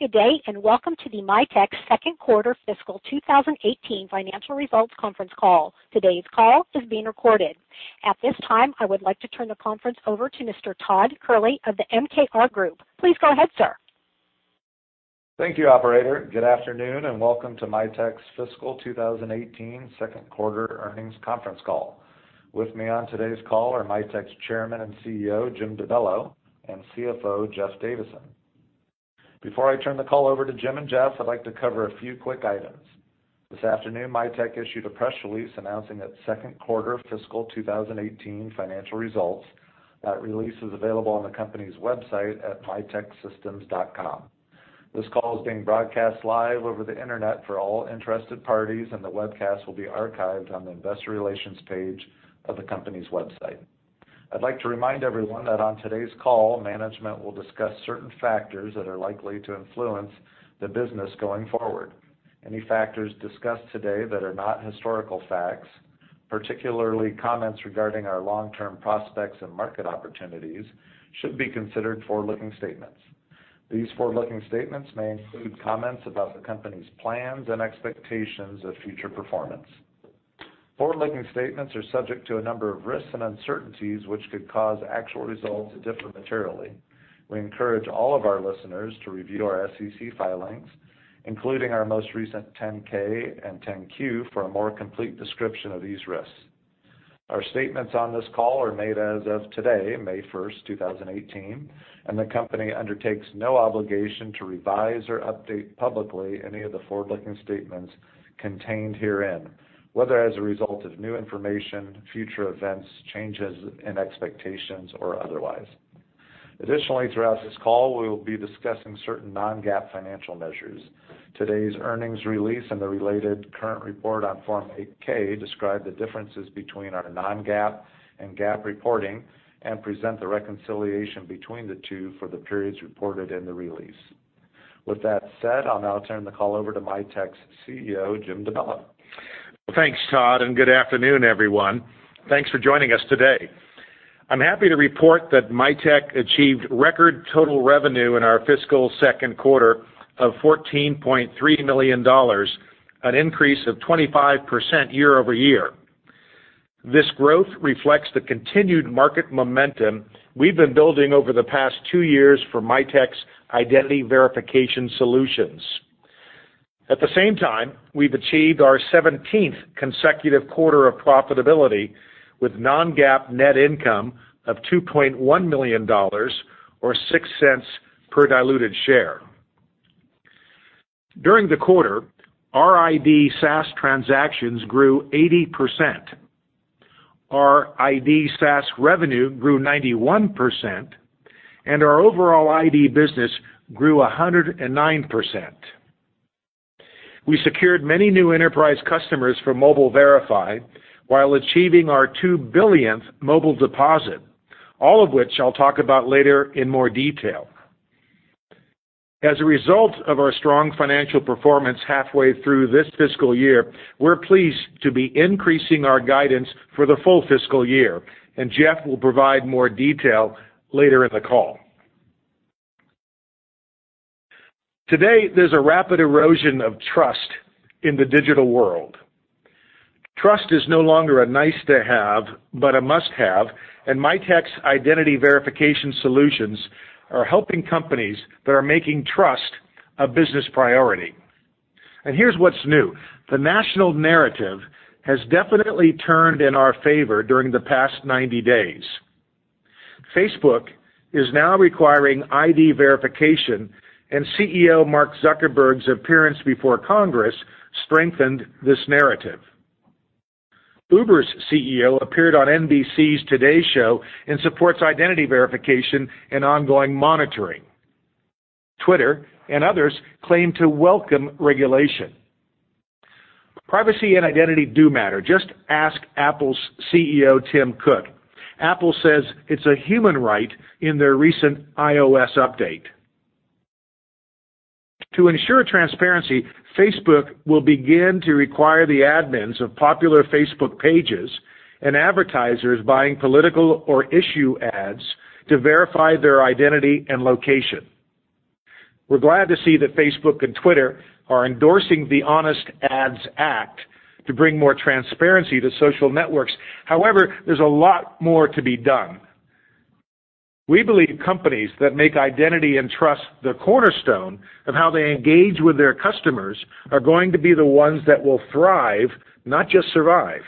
Good day, and welcome to the Mitek second quarter fiscal 2018 financial results conference call. Today's call is being recorded. At this time, I would like to turn the conference over to Mr. Todd Kehrli of the MKR Group. Please go ahead, sir. Thank you, operator. Good afternoon, and welcome to Mitek's fiscal 2018 second quarter earnings conference call. With me on today's call are Mitek's Chairman and CEO, Jim DeBello, and CFO, Jeff Davison. Before I turn the call over to Jim and Jeff, I'd like to cover a few quick items. This afternoon, Mitek issued a press release announcing its second quarter fiscal 2018 financial results. That release is available on the company's website at miteksystems.com. This call is being broadcast live over the internet for all interested parties, and the webcast will be archived on the investor relations page of the company's website. I'd like to remind everyone that on today's call, management will discuss certain factors that are likely to influence the business going forward. Any factors discussed today that are not historical facts, particularly comments regarding our long-term prospects and market opportunities, should be considered forward-looking statements. These forward-looking statements may include comments about the company's plans and expectations of future performance. Forward-looking statements are subject to a number of risks and uncertainties, which could cause actual results to differ materially. We encourage all of our listeners to review our SEC filings, including our most recent 10-K and 10-Q for a more complete description of these risks. Our statements on this call are made as of today, May 1st, 2018. The company undertakes no obligation to revise or update publicly any of the forward-looking statements contained herein, whether as a result of new information, future events, changes in expectations, or otherwise. Throughout this call, we will be discussing certain non-GAAP financial measures. Today's earnings release and the related current report on Form 8-K describe the differences between our non-GAAP and GAAP reporting and present the reconciliation between the two for the periods reported in the release. With that said, I'll now turn the call over to Mitek's CEO, Jim DeBello. Thanks, Todd, and good afternoon, everyone. Thanks for joining us today. I'm happy to report that Mitek achieved record total revenue in our fiscal second quarter of $14.3 million, an increase of 25% year-over-year. This growth reflects the continued market momentum we've been building over the past two years for Mitek's identity verification solutions. At the same time, we've achieved our 17th consecutive quarter of profitability with non-GAAP net income of $2.1 million or $0.06 per diluted share. During the quarter, our ID SaaS transactions grew 80%. Our ID SaaS revenue grew 91%, and our overall ID business grew 109%. We secured many new enterprise customers from Mobile Verify while achieving our 2 billionth Mobile Deposit, all of which I'll talk about later in more detail. As a result of our strong financial performance halfway through this fiscal year, we're pleased to be increasing our guidance for the full fiscal year. Jeff will provide more detail later in the call. Today, there's a rapid erosion of trust in the digital world. Trust is no longer a nice-to-have but a must-have, and Mitek's identity verification solutions are helping companies that are making trust a business priority. Here's what's new. The national narrative has definitely turned in our favor during the past 90 days. Facebook is now requiring ID verification, and CEO Mark Zuckerberg's appearance before Congress strengthened this narrative. Uber's CEO appeared on NBC's Today Show and supports identity verification and ongoing monitoring. Twitter and others claim to welcome regulation. Privacy and identity do matter. Just ask Apple's CEO, Tim Cook. Apple says it's a human right in their recent iOS update. To ensure transparency, Facebook will begin to require the admins of popular Facebook pages and advertisers buying political or issue ads to verify their identity and location. We're glad to see that Facebook and Twitter are endorsing the Honest Ads Act to bring more transparency to social networks. However, there's a lot more to be done. We believe companies that make identity and trust the cornerstone of how they engage with their customers are going to be the ones that will thrive, not just survive.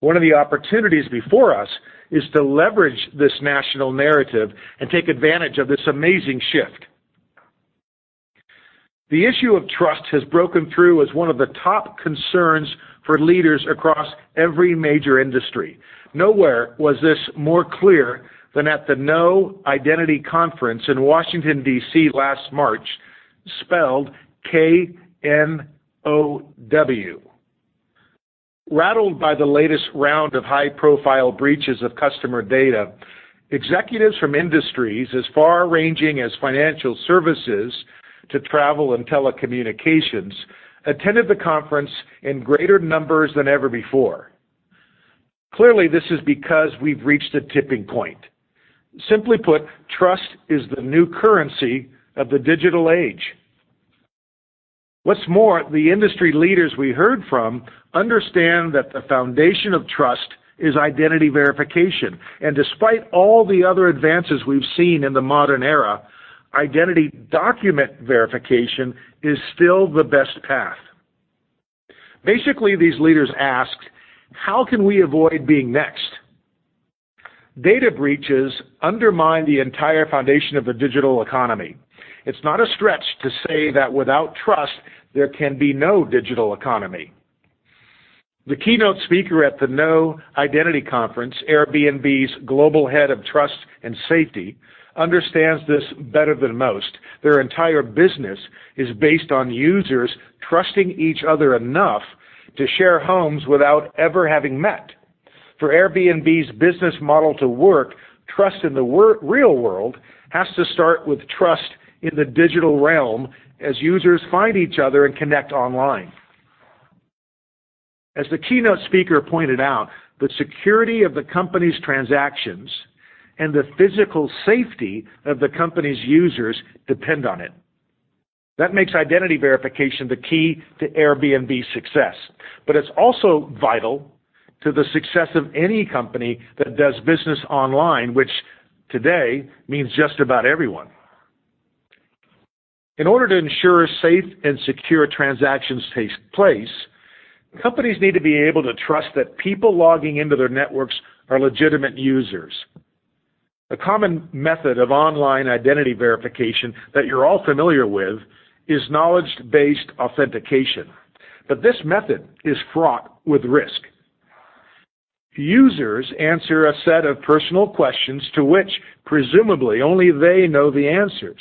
One of the opportunities before us is to leverage this national narrative and take advantage of this amazing shift. The issue of trust has broken through as one of the top concerns for leaders across every major industry. Nowhere was this more clear than at the K(NO)W Identity Conference in Washington, D.C. last March, spelled K-N-O-W. Rattled by the latest round of high-profile breaches of customer data, executives from industries as far ranging as financial services to travel and telecommunications attended the conference in greater numbers than ever before. Clearly, this is because we've reached a tipping point. Simply put, trust is the new currency of the digital age. What's more, the industry leaders we heard from understand that the foundation of trust is identity verification, and despite all the other advances we've seen in the modern era, identity document verification is still the best path. Basically, these leaders asked, "How can we avoid being next?" Data breaches undermine the entire foundation of the digital economy. It's not a stretch to say that without trust, there can be no digital economy. The keynote speaker at the K(NO)W Identity Conference, Airbnb's global head of trust and safety, understands this better than most. Their entire business is based on users trusting each other enough to share homes without ever having met. For Airbnb's business model to work, trust in the real world has to start with trust in the digital realm as users find each other and connect online. As the keynote speaker pointed out, the security of the company's transactions and the physical safety of the company's users depend on it. That makes identity verification the key to Airbnb's success, but it's also vital to the success of any company that does business online, which today means just about everyone. In order to ensure safe and secure transactions take place, companies need to be able to trust that people logging into their networks are legitimate users. A common method of online identity verification that you're all familiar with is knowledge-based authentication, but this method is fraught with risk. Users answer a set of personal questions to which presumably only they know the answers.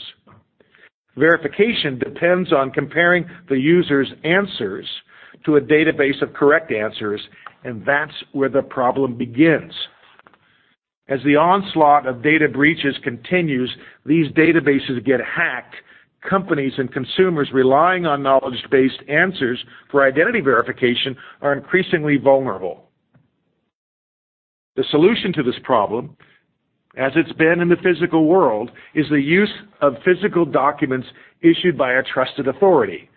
Verification depends on comparing the user's answers to a database of correct answers, and that's where the problem begins. As the onslaught of data breaches continues, these databases get hacked. Companies and consumers relying on knowledge-based answers for identity verification are increasingly vulnerable. The solution to this problem, as it's been in the physical world, is the use of physical documents issued by a trusted authority.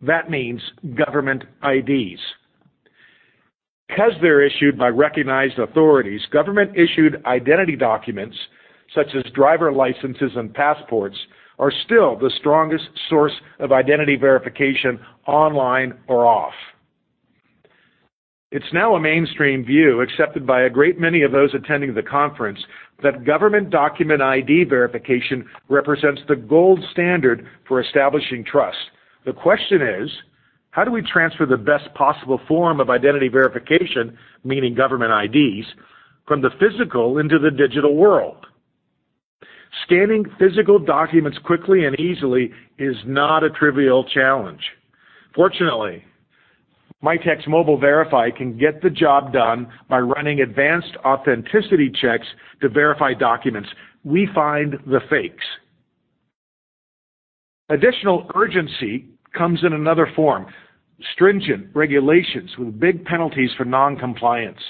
That means government IDs. Because they're issued by recognized authorities, government-issued identity documents such as driver licenses and passports are still the strongest source of identity verification online or off. It's now a mainstream view accepted by a great many of those attending the conference that government document ID verification represents the gold standard for establishing trust. The question is: how do we transfer the best possible form of identity verification, meaning government IDs, from the physical into the digital world? Scanning physical documents quickly and easily is not a trivial challenge. Fortunately, Mitek's Mobile Verify can get the job done by running advanced authenticity checks to verify documents. We find the fakes. Additional urgency comes in another form, stringent regulations with big penalties for non-compliance.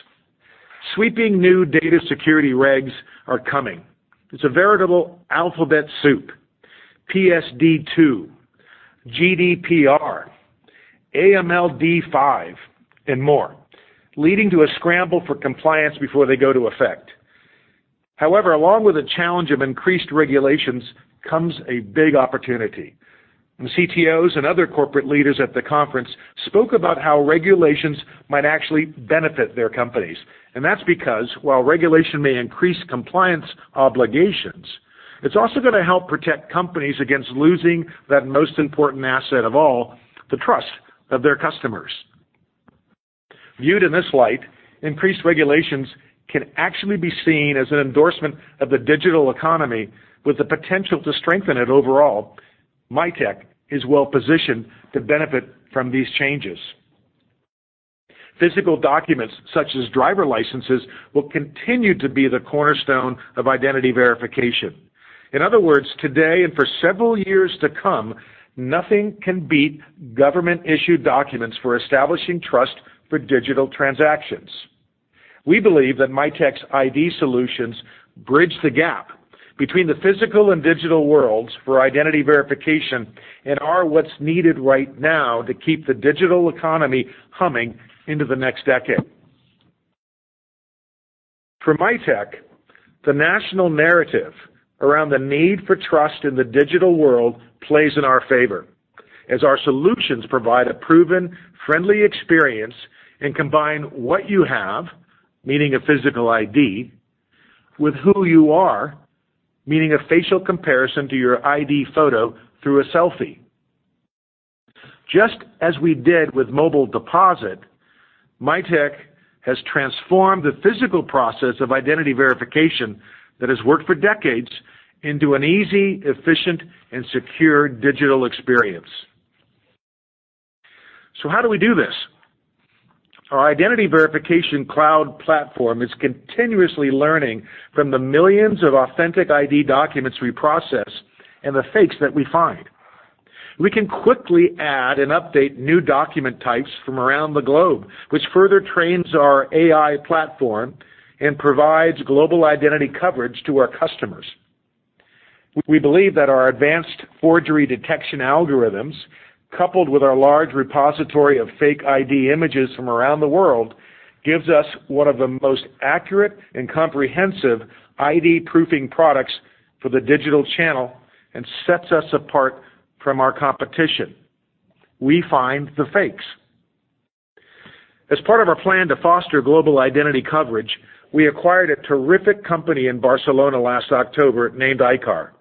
Sweeping new data security regs are coming. It's a veritable alphabet soup. PSD2, GDPR, AMLD5, and more, leading to a scramble for compliance before they go to effect. However, along with the challenge of increased regulations comes a big opportunity. CTOs and other corporate leaders at the conference spoke about how regulations might actually benefit their companies, and that's because while regulation may increase compliance obligations, it's also going to help protect companies against losing that most important asset of all, the trust of their customers. Viewed in this light, increased regulations can actually be seen as an endorsement of the digital economy with the potential to strengthen it overall. Mitek is well-positioned to benefit from these changes. Physical documents such as driver licenses will continue to be the cornerstone of identity verification. In other words, today and for several years to come, nothing can beat government-issued documents for establishing trust for digital transactions. We believe that Mitek's ID solutions bridge the gap between the physical and digital worlds for identity verification and are what's needed right now to keep the digital economy humming into the next decade. For Mitek, the national narrative around the need for trust in the digital world plays in our favor as our solutions provide a proven, friendly experience and combine what you have, meaning a physical ID, with who you are, meaning a facial comparison to your ID photo through a selfie. Just as we did with Mobile Deposit, Mitek has transformed the physical process of identity verification that has worked for decades into an easy, efficient, and secure digital experience. How do we do this? Our identity verification cloud platform is continuously learning from the millions of authentic ID documents we process and the fakes that we find. We can quickly add and update new document types from around the globe, which further trains our AI platform and provides global identity coverage to our customers. We believe that our advanced forgery detection algorithms, coupled with our large repository of fake ID images from around the world, gives us one of the most accurate and comprehensive ID proofing products for the digital channel and sets us apart from our competition. We find the fakes. As part of our plan to foster global identity coverage, we acquired a terrific company in Barcelona last October named ICAR.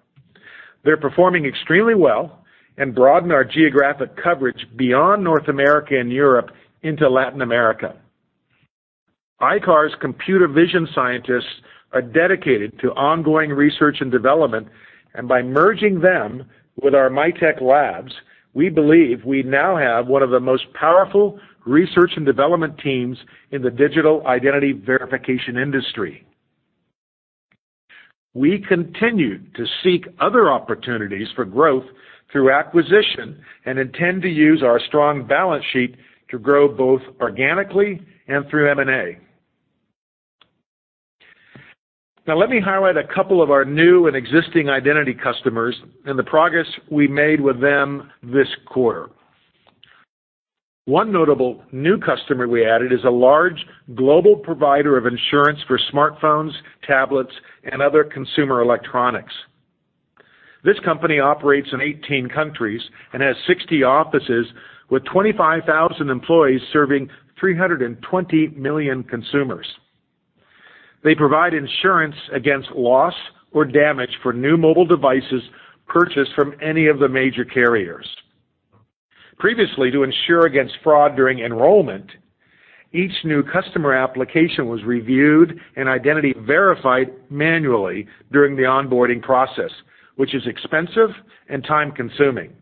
They're performing extremely well and broaden our geographic coverage beyond North America and Europe into Latin America. ICAR's computer vision scientists are dedicated to ongoing research and development, and by merging them with our Mitek Labs, we believe we now have one of the most powerful research and development teams in the digital identity verification industry. We continue to seek other opportunities for growth through acquisition and intend to use our strong balance sheet to grow both organically and through M&A. Let me highlight a couple of our new and existing identity customers and the progress we made with them this quarter. One notable new customer we added is a large global provider of insurance for smartphones, tablets, and other consumer electronics. This company operates in 18 countries and has 60 offices with 25,000 employees serving 320 million consumers. They provide insurance against loss or damage for new mobile devices purchased from any of the major carriers. Previously, to ensure against fraud during enrollment, each new customer application was reviewed and identity verified manually during the onboarding process, which is expensive and time-consuming.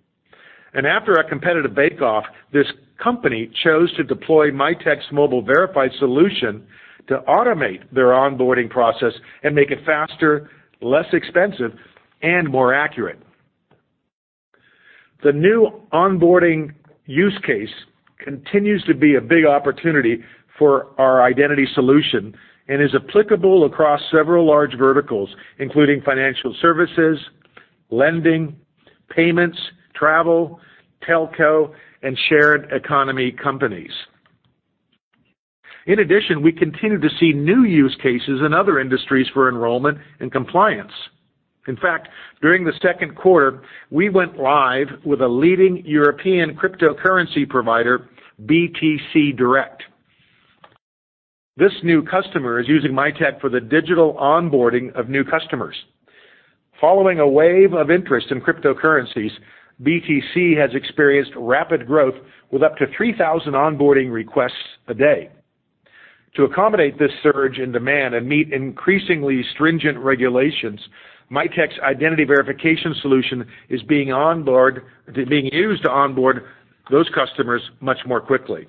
After a competitive bake-off, this company chose to deploy Mitek's Mobile Verify solution to automate their onboarding process and make it faster, less expensive, and more accurate. The new onboarding use case continues to be a big opportunity for our identity solution and is applicable across several large verticals, including financial services, lending, payments, travel, telco, and shared economy companies. In addition, we continue to see new use cases in other industries for enrollment and compliance. In fact, during the second quarter, we went live with a leading European cryptocurrency provider, BTC Direct. This new customer is using Mitek for the digital onboarding of new customers. Following a wave of interest in cryptocurrencies, BTC has experienced rapid growth with up to 3,000 onboarding requests a day. To accommodate this surge in demand and meet increasingly stringent regulations, Mitek's identity verification solution is being used to onboard those customers much more quickly.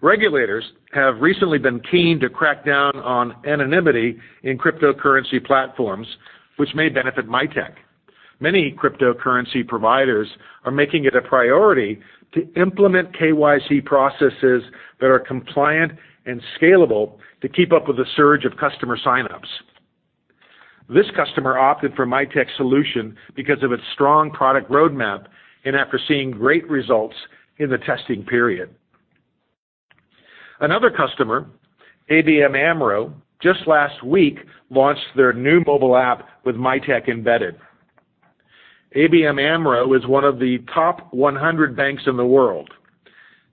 Regulators have recently been keen to crack down on anonymity in cryptocurrency platforms, which may benefit Mitek. Many cryptocurrency providers are making it a priority to implement KYC processes that are compliant and scalable to keep up with the surge of customer sign-ups. This customer opted for Mitek's solution because of its strong product roadmap and after seeing great results in the testing period. Another customer, ABN AMRO, just last week launched their new mobile app with Mitek embedded. ABN AMRO is one of the top 100 banks in the world.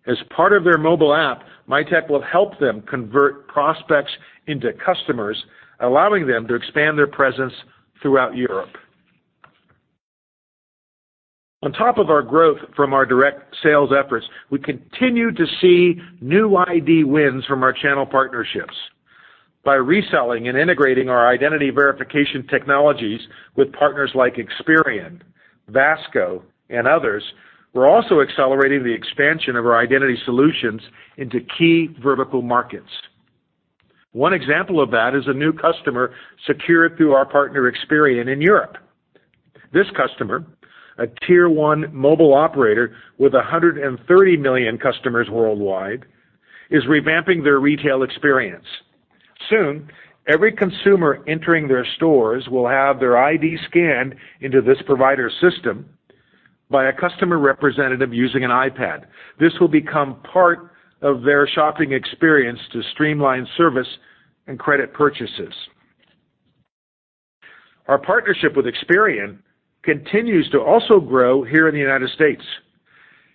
As part of their mobile app, Mitek will help them convert prospects into customers, allowing them to expand their presence throughout Europe. On top of our growth from our direct sales efforts, we continue to see new ID wins from our channel partnerships. By reselling and integrating our identity verification technologies with partners like Experian, Vasco, and others, we're also accelerating the expansion of our identity solutions into key vertical markets. One example of that is a new customer secured through our partner, Experian, in Europe. This customer, a tier 1 mobile operator with 130 million customers worldwide, is revamping their retail experience. Soon, every consumer entering their stores will have their ID scanned into this provider's system by a customer representative using an iPad. This will become part of their shopping experience to streamline service and credit purchases. Our partnership with Experian continues to also grow here in the U.S.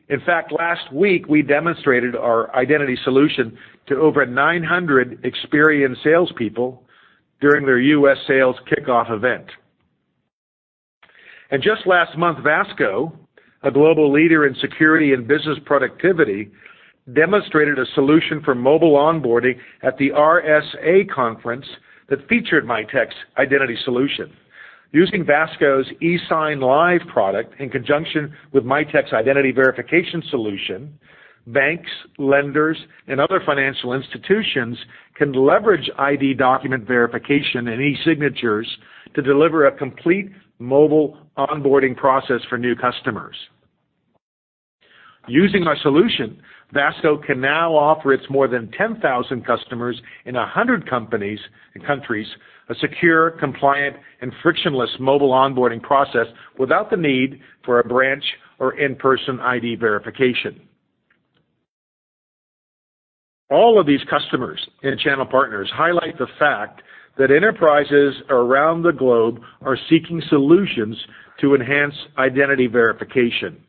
In fact, last week, we demonstrated our identity solution to over 900 Experian salespeople during their U.S. sales kickoff event. Just last month, Vasco, a global leader in security and business productivity, demonstrated a solution for mobile onboarding at the RSA Conference that featured Mitek's identity solution. Using Vasco's eSignLive product in conjunction with Mitek's identity verification solution, banks, lenders, and other financial institutions can leverage ID document verification and e-signatures to deliver a complete mobile onboarding process for new customers. Using our solution, Vasco can now offer its more than 10,000 customers in 100 countries a secure, compliant, and frictionless mobile onboarding process without the need for a branch or in-person ID verification. All of these customers and channel partners highlight the fact that enterprises around the globe are seeking solutions to enhance identity verification.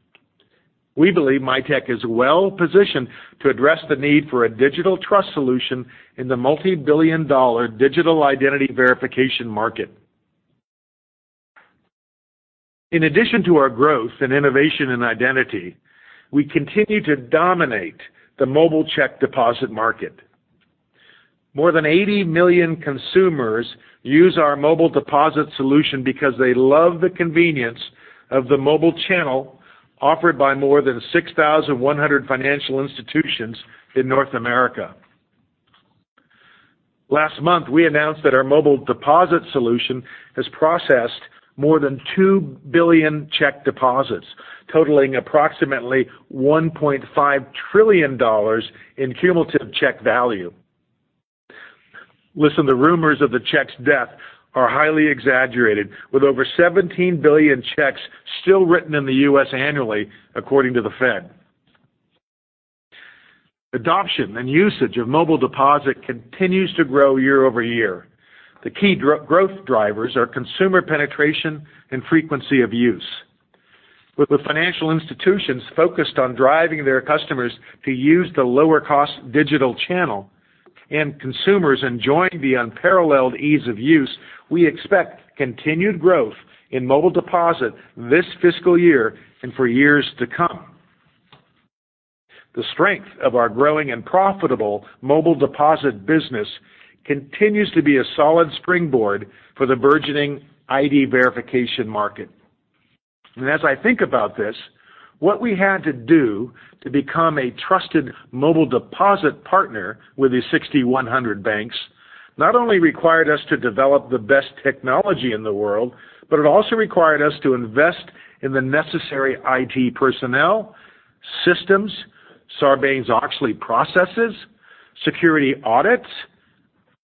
We believe Mitek is well-positioned to address the need for a digital trust solution in the multi-billion dollar digital identity verification market. In addition to our growth and innovation in identity, we continue to dominate the mobile check deposit market. More than 80 million consumers use our Mobile Deposit solution because they love the convenience of the mobile channel offered by more than 6,100 financial institutions in North America. Last month, we announced that our Mobile Deposit solution has processed more than 2 billion check deposits, totaling approximately $1.5 trillion in cumulative check value. Listen, the rumors of the check's death are highly exaggerated. With over 17 billion checks still written in the U.S. annually, according to the Fed. Adoption and usage of Mobile Deposit continues to grow year-over-year. The key growth drivers are consumer penetration and frequency of use. With the financial institutions focused on driving their customers to use the lower-cost digital channel and consumers enjoying the unparalleled ease of use, we expect continued growth in Mobile Deposit this fiscal year and for years to come. As I think about this, the strength of our growing and profitable Mobile Deposit business continues to be a solid springboard for the burgeoning ID verification market. What we had to do to become a trusted Mobile Deposit partner with these 6,100 banks not only required us to develop the best technology in the world, but it also required us to invest in the necessary IT personnel, systems, Sarbanes-Oxley processes, security audits,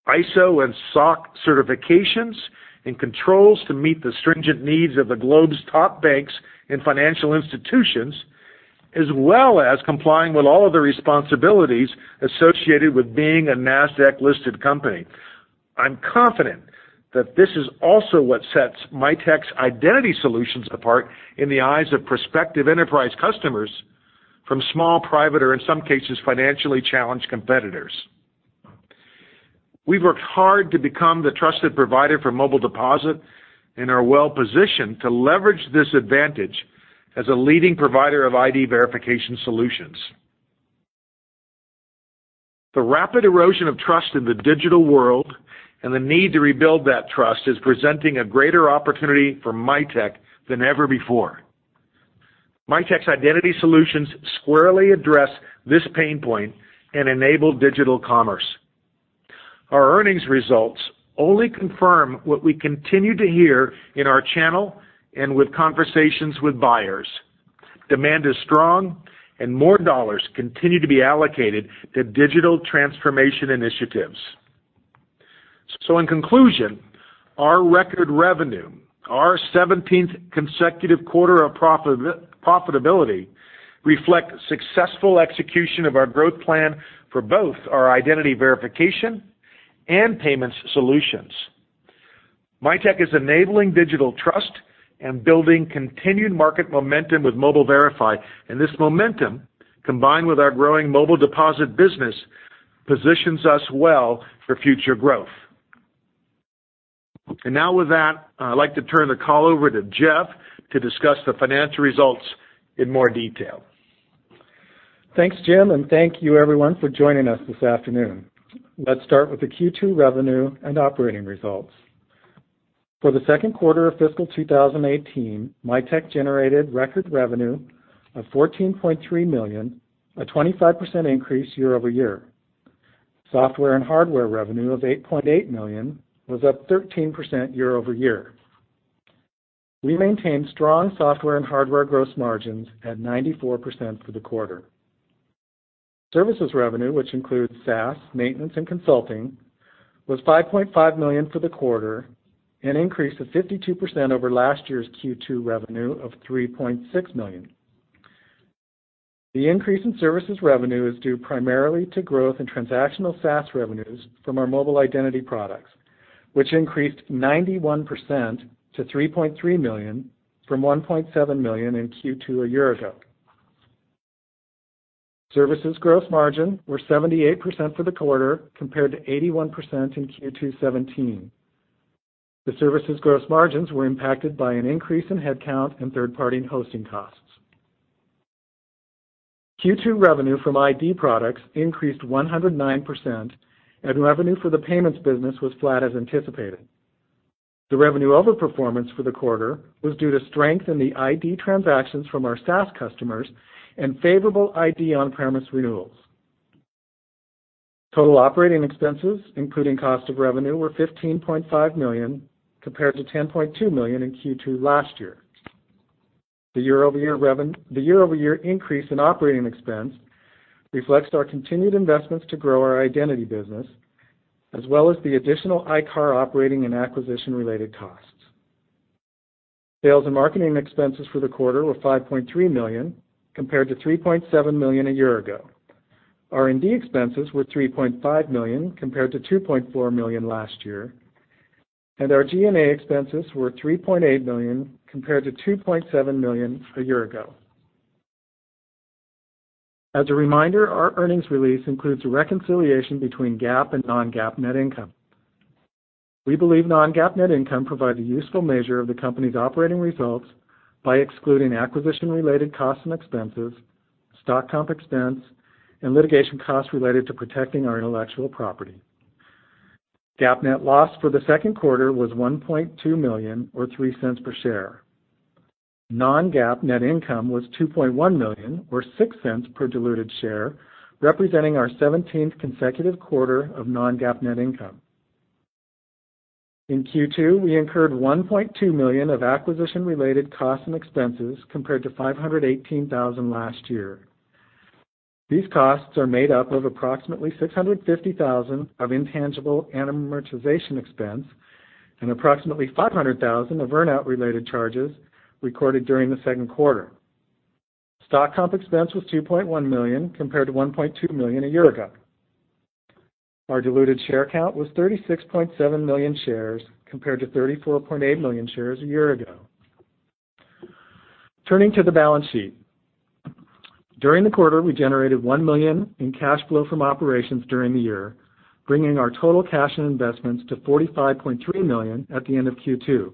ISO and SOC certifications, and controls to meet the stringent needs of the globe's top banks and financial institutions, as well as complying with all of the responsibilities associated with being a Nasdaq-listed company. I'm confident that this is also what sets Mitek's identity solutions apart in the eyes of prospective enterprise customers from small, private, or in some cases, financially challenged competitors. We've worked hard to become the trusted provider for Mobile Deposit and are well-positioned to leverage this advantage as a leading provider of ID verification solutions. The rapid erosion of trust in the digital world and the need to rebuild that trust is presenting a greater opportunity for Mitek than ever before. Mitek's identity solutions squarely address this pain point and enable digital commerce. Our earnings results only confirm what we continue to hear in our channel and with conversations with buyers. Demand is strong, and more dollars continue to be allocated to digital transformation initiatives. In conclusion, our record revenue, our 17th consecutive quarter of profitability reflect successful execution of our growth plan for both our identity verification and payments solutions. Mitek is enabling digital trust and building continued market momentum with Mobile Verify, and this momentum, combined with our growing Mobile Deposit business, positions us well for future growth. Now with that, I'd like to turn the call over to Jeff to discuss the financial results in more detail. Thanks, Jim, and thank you, everyone, for joining us this afternoon. Let's start with the Q2 revenue and operating results. For the second quarter of fiscal 2018, Mitek generated record revenue of $14.3 million, a 25% increase year-over-year. Software and hardware revenue of $8.8 million was up 13% year-over-year. We maintained strong software and hardware gross margins at 94% for the quarter. Services revenue, which includes SaaS, maintenance, and consulting, was $5.5 million for the quarter, an increase of 52% over last year's Q2 revenue of $3.6 million. The increase in services revenue is due primarily to growth in transactional SaaS revenues from our mobile identity products, which increased 91% to $3.3 million, from $1.7 million in Q2 a year ago. Services gross margin were 78% for the quarter, compared to 81% in Q2 2017. The services gross margins were impacted by an increase in headcount and third-party hosting costs. Q2 revenue from ID products increased 109%, and revenue for the payments business was flat as anticipated. The revenue overperformance for the quarter was due to strength in the ID transactions from our SaaS customers and favorable ID on-premise renewals. Total operating expenses, including cost of revenue, were $15.5 million compared to $10.2 million in Q2 last year. The year-over-year increase in operating expense reflects our continued investments to grow our identity business, as well as the additional ICAR operating and acquisition-related costs. Sales and marketing expenses for the quarter were $5.3 million, compared to $3.7 million a year ago. R&D expenses were $3.5 million compared to $2.4 million last year, and our G&A expenses were $3.8 million compared to $2.7 million a year ago. As a reminder, our earnings release includes a reconciliation between GAAP and non-GAAP net income. We believe non-GAAP net income provides a useful measure of the company's operating results by excluding acquisition-related costs and expenses, stock comp expense, and litigation costs related to protecting our intellectual property. GAAP net loss for the second quarter was $1.2 million or $0.03 per share. Non-GAAP net income was $2.1 million, or $0.06 per diluted share, representing our 17th consecutive quarter of non-GAAP net income. In Q2, we incurred $1.2 million of acquisition-related costs and expenses compared to $518,000 last year. These costs are made up of approximately $650,000 of intangible amortization expense and approximately $500,000 of earn-out related charges recorded during the second quarter. Stock comp expense was $2.1 million compared to $1.2 million a year ago. Our diluted share count was 36.7 million shares compared to 34.8 million shares a year ago. Turning to the balance sheet. During the quarter, we generated $1 million in cash flow from operations during the year, bringing our total cash and investments to $45.3 million at the end of Q2.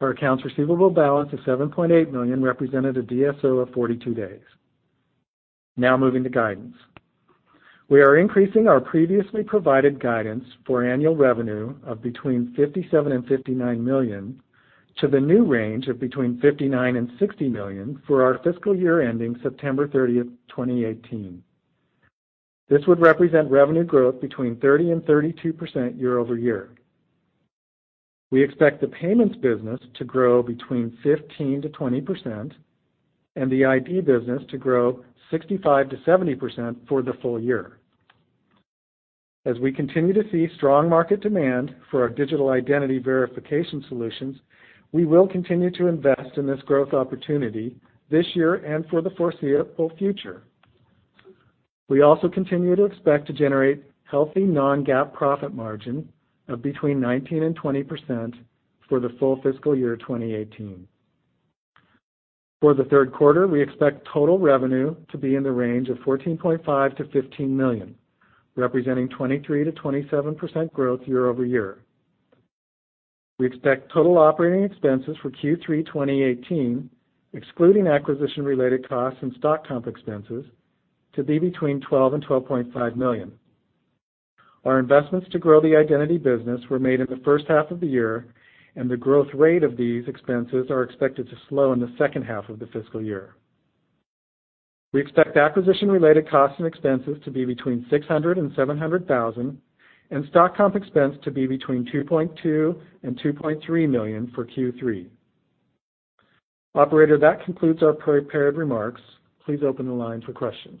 Our accounts receivable balance of $7.8 million represented a DSO of 42 days. Now moving to guidance. We are increasing our previously provided guidance for annual revenue of between $57 million and $59 million to the new range of between $59 million and $60 million for our fiscal year ending September 30th, 2018. This would represent revenue growth between 30%-32% year-over-year. We expect the payments business to grow between 15%-20% and the ID business to grow 65%-70% for the full year. As we continue to see strong market demand for our digital identity verification solutions, we will continue to invest in this growth opportunity this year and for the foreseeable future. We also continue to expect to generate healthy non-GAAP profit margin of between 19%-20% for the full fiscal year 2018. For the third quarter, we expect total revenue to be in the range of $14.5 million-$15 million, representing 23%-27% growth year-over-year. We expect total operating expenses for Q3 2018, excluding acquisition-related costs and stock comp expenses, to be between $12 million and $12.5 million. Our investments to grow the identity business were made in the first half of the year, and the growth rate of these expenses are expected to slow in the second half of the fiscal year. We expect acquisition-related costs and expenses to be between $600,000 and $700,000, and stock comp expense to be between $2.2 million and $2.3 million for Q3. Operator, that concludes our prepared remarks. Please open the line for questions.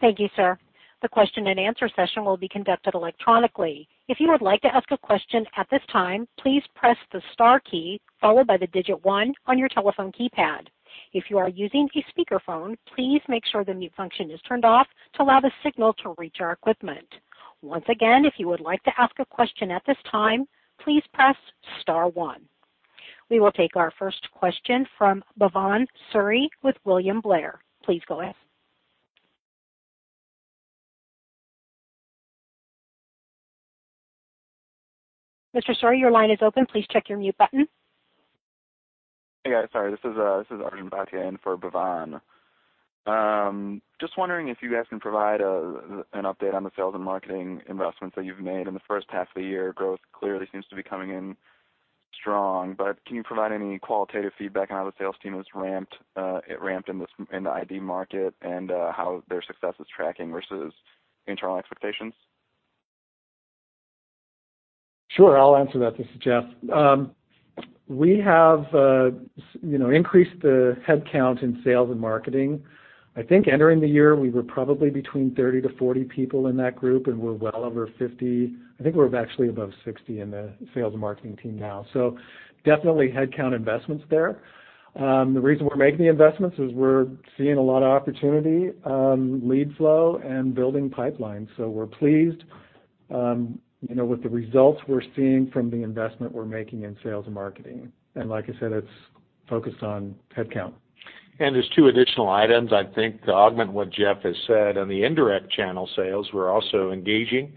Thank you, sir. The question and answer session will be conducted electronically. If you would like to ask a question at this time, please press the star key followed by the digit one on your telephone keypad. If you are using a speakerphone, please make sure the mute function is turned off to allow the signal to reach our equipment. Once again, if you would like to ask a question at this time, please press star one. We will take our first question from Bhavan Suri with William Blair. Please go ahead. Mr. Suri, your line is open. Please check your mute button. Hey, guys, sorry. This is Arjun Bhatia in for Bhavan. Just wondering if you guys can provide an update on the sales and marketing investments that you've made in the first half of the year. Growth clearly seems to be coming in strong, but can you provide any qualitative feedback on how the sales team has ramped in the ID market and how their success is tracking versus internal expectations? Sure. I'll answer that. This is Jeff. We have increased the headcount in sales and marketing. I think entering the year, we were probably between 30 to 40 people in that group, and we're well over 50. I think we're actually above 60 in the sales and marketing team now. Definitely headcount investments there. The reason we're making the investments is we're seeing a lot of opportunity, lead flow, and building pipeline. We're pleased with the results we're seeing from the investment we're making in sales and marketing. Like I said, it's focused on headcount. There's two additional items, I think, to augment what Jeff has said. On the indirect channel sales, we're also engaging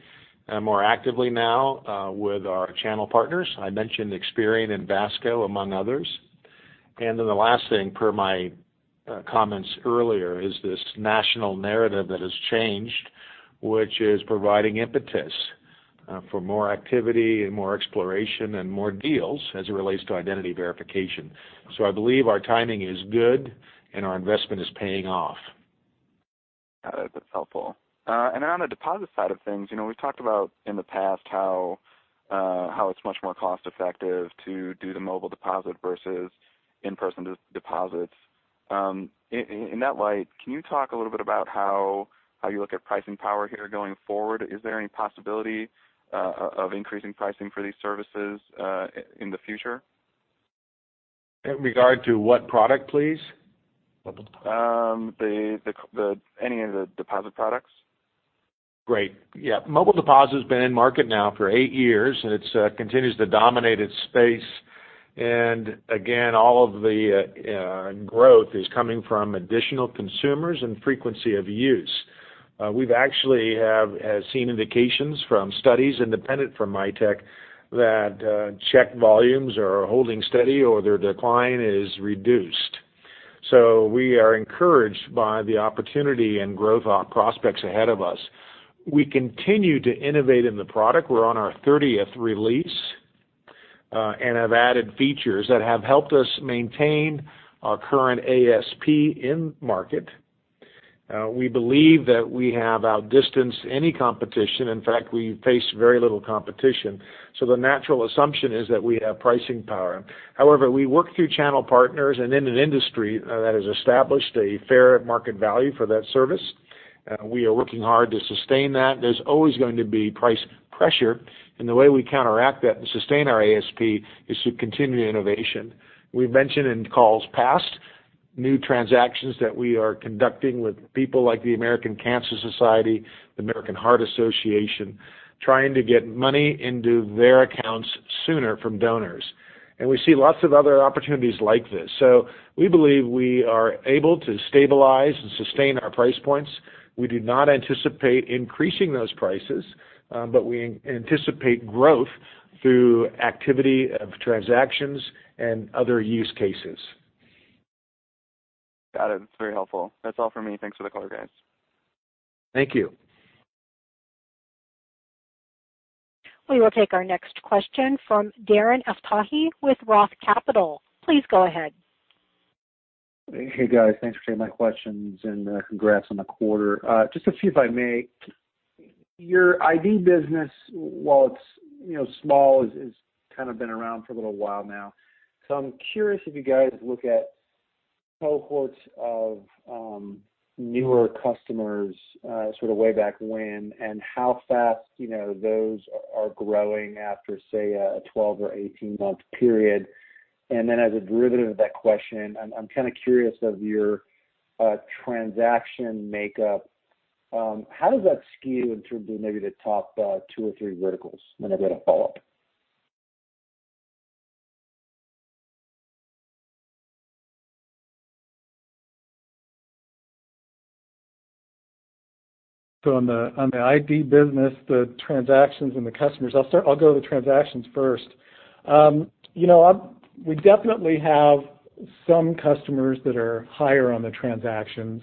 more actively now with our channel partners. I mentioned Experian and Vasco, among others. The last thing, per my comments earlier, is this national narrative that has changed, which is providing impetus for more activity and more exploration and more deals as it relates to identity verification. I believe our timing is good and our investment is paying off. Got it. That's helpful. On the deposit side of things, we've talked about in the past how it's much more cost-effective to do the Mobile Deposit versus in-person deposits. In that light, can you talk a little bit about how you look at pricing power here going forward? Is there any possibility of increasing pricing for these services in the future? In regard to what product, please? Any of the deposit products. Great. Yeah. Mobile Deposit has been in market now for 8 years, it continues to dominate its space. Again, all of the growth is coming from additional consumers and frequency of use. We've actually have seen indications from studies independent from Mitek that check volumes are holding steady or their decline is reduced. We are encouraged by the opportunity and growth prospects ahead of us. We continue to innovate in the product. We're on our 30th release and have added features that have helped us maintain our current ASP in market. We believe that we have outdistanced any competition. In fact, we face very little competition, the natural assumption is that we have pricing power. However, we work through channel partners and in an industry that has established a fair market value for that service. We are working hard to sustain that. There's always going to be price pressure, the way we counteract that and sustain our ASP is through continued innovation. We've mentioned in calls past new transactions that we are conducting with people like the American Cancer Society, the American Heart Association, trying to get money into their accounts sooner from donors. We see lots of other opportunities like this. We believe we are able to stabilize and sustain our price points. We do not anticipate increasing those prices, we anticipate growth through activity of transactions and other use cases. Got it. That's very helpful. That's all for me. Thanks for the color, guys. Thank you. We will take our next question from Darren Aftahi with Roth Capital. Please go ahead. Hey, guys. Thanks for taking my questions, and congrats on the quarter. Just a few, if I may. Your ID business, while it's small, has kind of been around for a little while now. I'm curious if you guys look at cohorts of newer customers sort of way back when and how fast those are growing after, say, a 12 or 18-month period. As a derivative of that question, I'm kind of curious of your transaction makeup. How does that skew in terms of maybe the top two or three verticals? I've got a follow-up. On the ID business, the transactions and the customers, I'll go to the transactions first. We definitely have some customers that are higher on the transactions,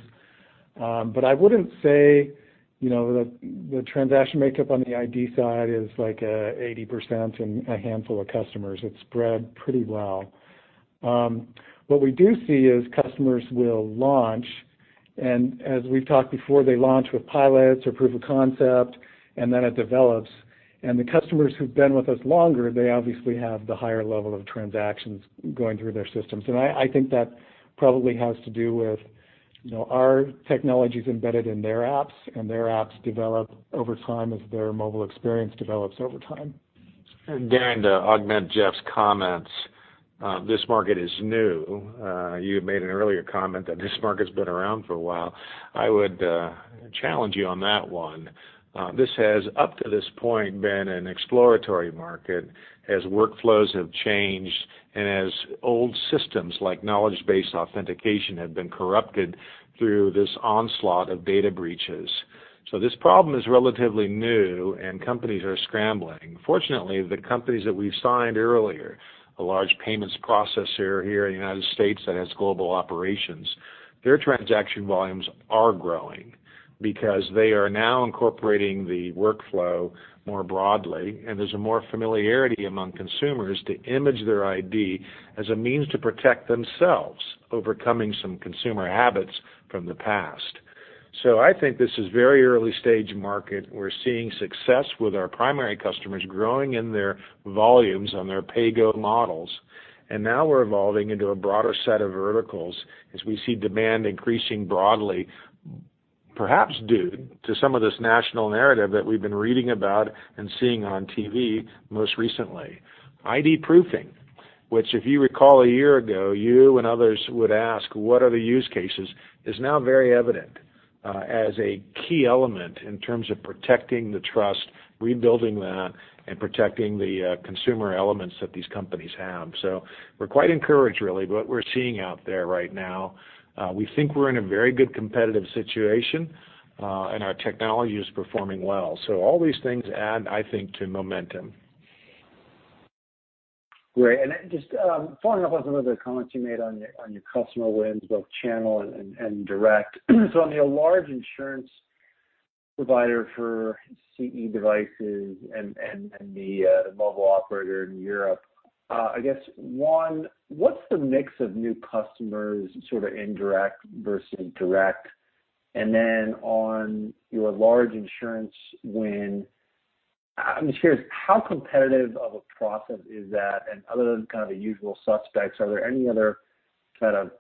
but I wouldn't say the transaction makeup on the ID side is like 80% and a handful of customers. It's spread pretty well. What we do see is customers will launch, as we've talked before, they launch with pilots or proof of concept, then it develops. The customers who've been with us longer, they obviously have the higher level of transactions going through their systems. I think that probably has to do with our technology's embedded in their apps and their apps develop over time as their mobile experience develops over time. Darren, to augment Jeff's comments, this market is new. You had made an earlier comment that this market's been around for a while. I would challenge you on that one. This has, up to this point, been an exploratory market as workflows have changed and as old systems like knowledge-based authentication have been corrupted through this onslaught of data breaches. This problem is relatively new and companies are scrambling. Fortunately, the companies that we've signed earlier, a large payments processor here in the U.S. that has global operations, their transaction volumes are growing because they are now incorporating the workflow more broadly, and there's more familiarity among consumers to image their ID as a means to protect themselves, overcoming some consumer habits from the past. I think this is very early stage market. We're seeing success with our primary customers growing in their volumes on their pay-go models. Now we're evolving into a broader set of verticals as we see demand increasing broadly, perhaps due to some of this national narrative that we've been reading about and seeing on TV most recently. ID proofing, which if you recall a year ago, you and others would ask, what are the use cases, is now very evident as a key element in terms of protecting the trust, rebuilding that, and protecting the consumer elements that these companies have. We're quite encouraged, really, by what we're seeing out there right now. We think we're in a very good competitive situation, and our technology is performing well. All these things add, I think, to momentum. Great. Just following up on some of the comments you made on your customer wins, both channel and direct. On your large insurance provider for CE devices and the mobile operator in Europe, I guess, one, what's the mix of new customers sort of indirect versus direct? Then on your large insurance win, I'm just curious, how competitive of a process is that? Other than kind of the usual suspects, are there any other kind of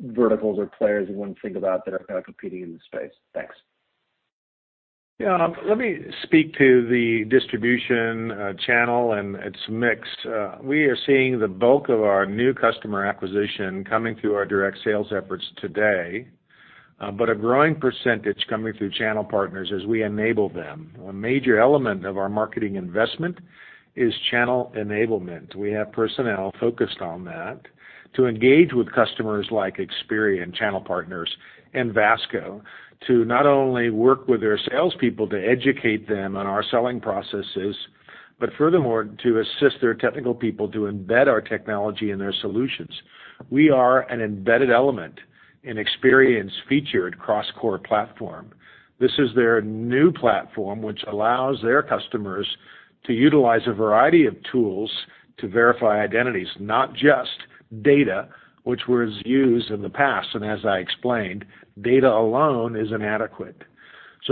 verticals or players you want to think about that are kind of competing in the space? Thanks. Yeah. Let me speak to the distribution channel and its mix. We are seeing the bulk of our new customer acquisition coming through our direct sales efforts today, but a growing percentage coming through channel partners as we enable them. A major element of our marketing investment is channel enablement. We have personnel focused on that to engage with customers like Experian, channel partners, and Vasco to not only work with their salespeople to educate them on our selling processes, but furthermore, to assist their technical people to embed our technology and their solutions. We are an embedded element in Experian's featured CrossCore platform. This is their new platform, which allows their customers to utilize a variety of tools to verify identities, not just data, which was used in the past. As I explained, data alone is inadequate.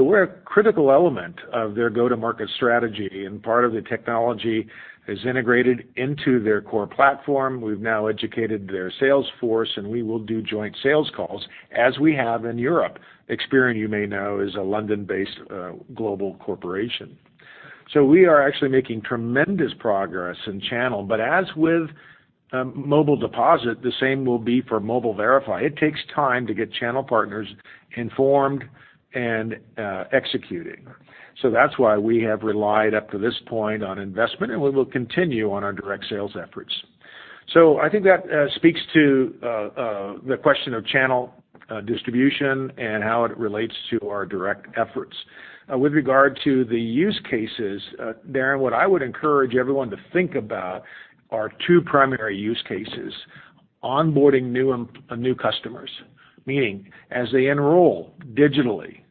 We're a critical element of their go-to-market strategy, and part of the technology is integrated into their core platform. We've now educated their sales force, and we will do joint sales calls as we have in Europe. Experian, you may know, is a London-based global corporation. We are actually making tremendous progress in channel, but as with Mobile Deposit, the same will be for Mobile Verify. It takes time to get channel partners informed and executing. That's why we have relied up to this point on investment, and we will continue on our direct sales efforts. I think that speaks to the question of channel distribution and how it relates to our direct efforts. With regard to the use cases, Darren, what I would encourage everyone to think about are two primary use cases. Onboarding new customers, meaning as they enroll digitally,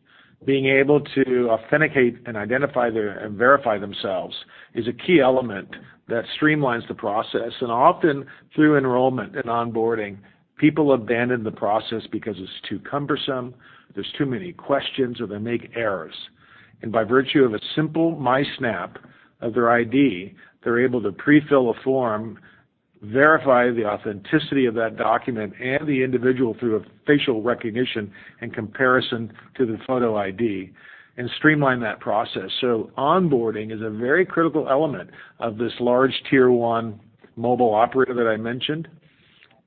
being able to authenticate and identify their and verify themselves is a key element that streamlines the process. Often through enrollment and onboarding, people abandon the process because it's too cumbersome, there's too many questions, or they make errors. By virtue of a simple MiSnap of their ID, they're able to pre-fill a form, verify the authenticity of that document and the individual through a facial recognition and comparison to the photo ID, and streamline that process. Onboarding is a very critical element of this large tier 1 mobile operator that I mentioned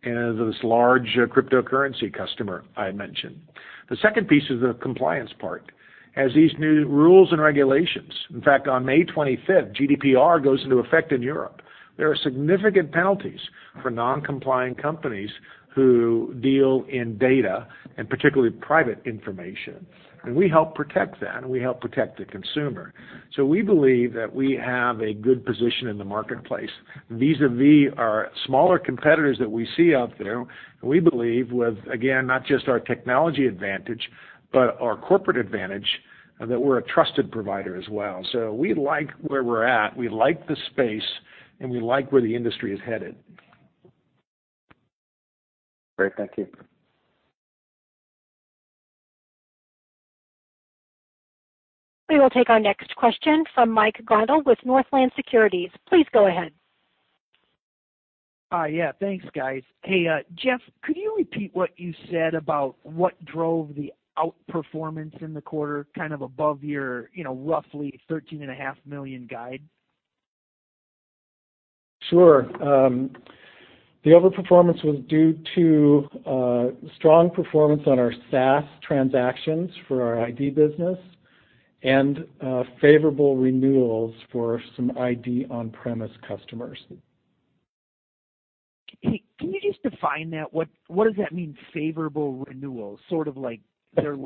and this large cryptocurrency customer I mentioned. The second piece is the compliance part. As these new rules and regulations, in fact, on May 25th, GDPR goes into effect in Europe. There are significant penalties for non-compliant companies who deal in data and particularly private information. We help protect that, and we help protect the consumer. We believe that we have a good position in the marketplace vis-a-vis our smaller competitors that we see out there. We believe with, again, not just our technology advantage, but our corporate advantage, that we're a trusted provider as well. We like where we're at, we like the space, and we like where the industry is headed. Great. Thank you. We will take our next question from Mike Grondahl with Northland Securities. Please go ahead. Yeah. Thanks, guys. Hey, Jeff Davison, could you repeat what you said about what drove the outperformance in the quarter, kind of above your roughly $13.5 million guide? Sure. The overperformance was due to strong performance on our SaaS transactions for our ID business and favorable renewals for some ID on-premise customers. Hey, can you just define that? What does that mean, favorable renewals? Sort of like their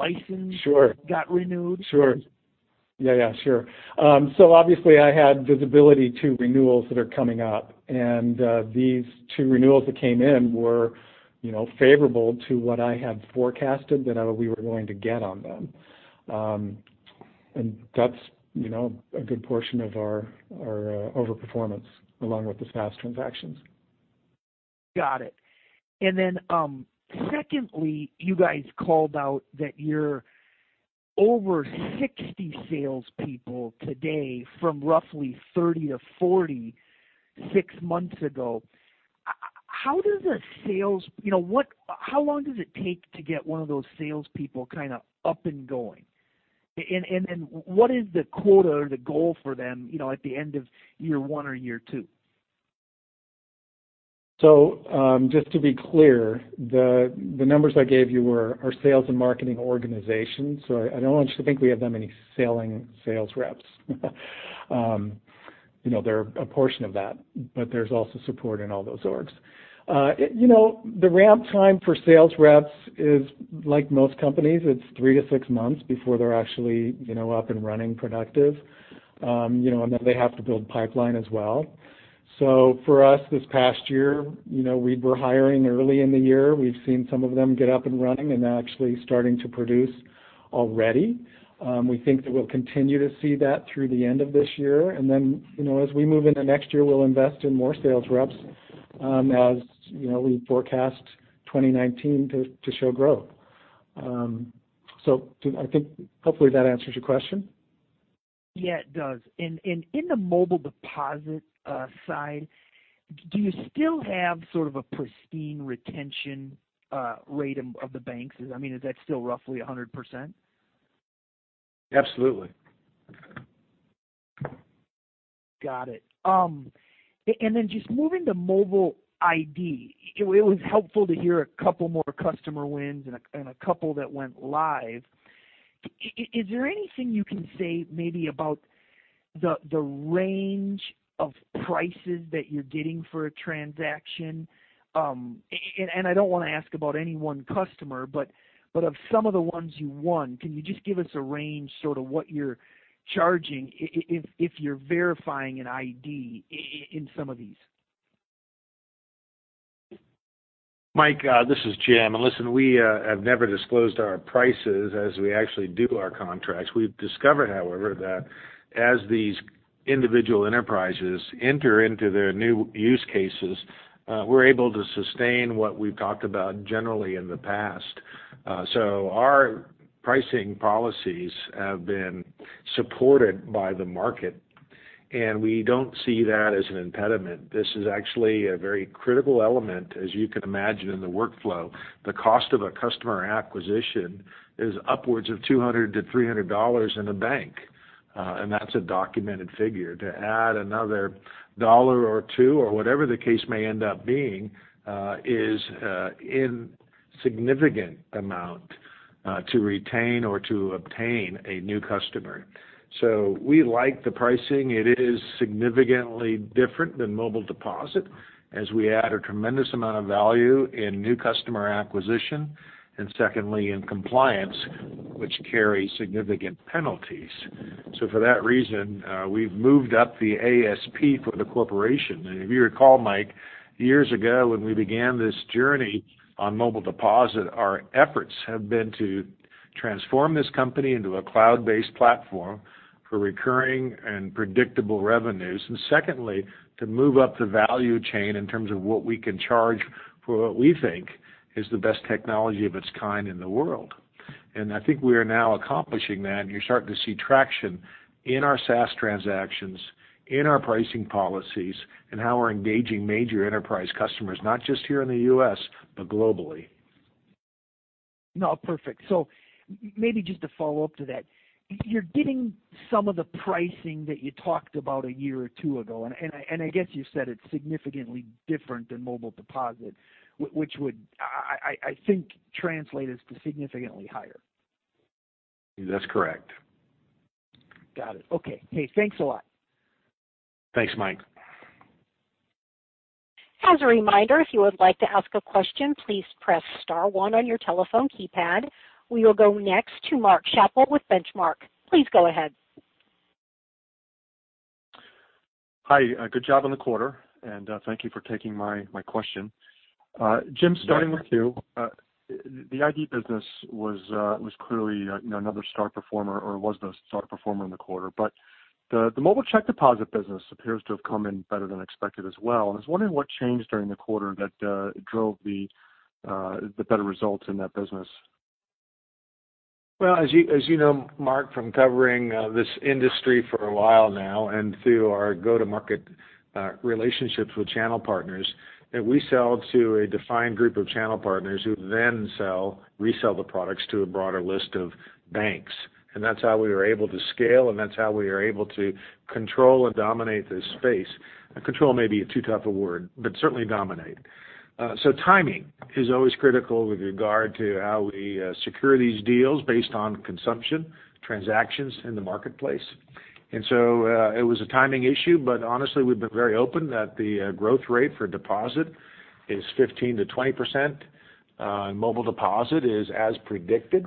Sure got renewed? Sure. Yeah. Sure. Obviously I had visibility to renewals that are coming up, and these two renewals that came in were favorable to what I had forecasted that we were going to get on them. That's a good portion of our overperformance along with the SaaS transactions. Got it. Secondly, you guys called out that you're over 60 salespeople today from roughly 30 to 40 six months ago. How long does it take to get one of those salespeople kind of up and going? What is the quota or the goal for them at the end of year one or year two? Just to be clear, the numbers I gave you were our sales and marketing organization. I don't want you to think we have that many selling sales reps. They're a portion of that, but there's also support in all those orgs. The ramp time for sales reps is like most companies, it's three to six months before they're actually up and running productive. They have to build pipeline as well. For us this past year, we were hiring early in the year. We've seen some of them get up and running and are actually starting to produce already. We think that we'll continue to see that through the end of this year. As we move into next year, we'll invest in more sales reps as we forecast 2019 to show growth. I think hopefully that answers your question. Yeah, it does. In the Mobile Deposit side, do you still have sort of a pristine retention rate of the banks? Is that still roughly 100%? Absolutely. Got it. Just moving to Mobile ID, it was helpful to hear a couple more customer wins and a couple that went live. Is there anything you can say maybe about the range of prices that you're getting for a transaction? I don't want to ask about any one customer, but of some of the ones you won, can you just give us a range, sort of what you're charging if you're verifying an ID in some of these. Mike, this is Jim. Listen, we have never disclosed our prices as we actually do our contracts. We've discovered, however, that as these individual enterprises enter into their new use cases, we're able to sustain what we've talked about generally in the past. Our pricing policies have been supported by the market, and we don't see that as an impediment. This is actually a very critical element, as you can imagine, in the workflow. The cost of a customer acquisition is upwards of $200-$300 in a bank. That's a documented figure. To add another dollar or two, or whatever the case may end up being is insignificant amount to retain or to obtain a new customer. We like the pricing. It is significantly different than Mobile Deposit as we add a tremendous amount of value in new customer acquisition, and secondly, in compliance, which carries significant penalties. For that reason, we've moved up the ASP for the corporation. If you recall, Mike, years ago when we began this journey on Mobile Deposit, our efforts have been to transform this company into a cloud-based platform for recurring and predictable revenues. Secondly, to move up the value chain in terms of what we can charge for what we think is the best technology of its kind in the world. I think we are now accomplishing that, and you're starting to see traction in our SaaS transactions, in our pricing policies, and how we're engaging major enterprise customers, not just here in the U.S., but globally. No, perfect. Maybe just to follow up to that. You're getting some of the pricing that you talked about a year or two ago, and I guess you said it's significantly different than Mobile Deposit, which would, I think, translate as to significantly higher. That's correct. Got it. Okay. Hey, thanks a lot. Thanks, Mike. As a reminder, if you would like to ask a question, please press star one on your telephone keypad. We will go next to Mark Schappel with Benchmark. Please go ahead. Hi, good job on the quarter, thank you for taking my question. Jim, starting with you. The ID business was clearly another star performer, or was the star performer in the quarter, but the mobile check deposit business appears to have come in better than expected as well. I was wondering what changed during the quarter that drove the better results in that business. As you know, Mark, from covering this industry for a while now through our go-to-market relationships with channel partners, that we sell to a defined group of channel partners who then resell the products to a broader list of banks. That's how we are able to scale, that's how we are able to control and dominate this space. Control may be too tough a word, but certainly dominate. Timing is always critical with regard to how we secure these deals based on consumption, transactions in the marketplace. It was a timing issue, but honestly, we've been very open that the growth rate for deposit is 15%-20%. Mobile Deposit is as predicted.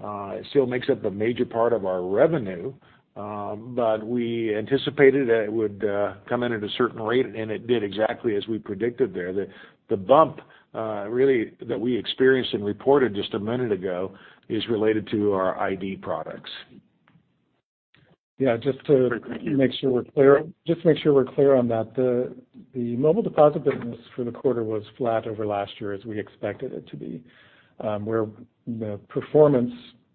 It still makes up a major part of our revenue. We anticipated that it would come in at a certain rate, and it did exactly as we predicted there. The bump really that we experienced and reported just a minute ago is related to our ID products. Yeah, just to make sure we're clear on that. The Mobile Deposit business for the quarter was flat over last year as we expected it to be. Where the performance